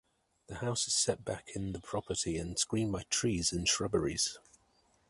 The house is set back in the property and screened by trees and shrubberies.